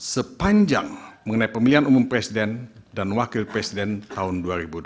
sepanjang mengenai pemilihan umum presiden dan wakil presiden tahun dua ribu dua puluh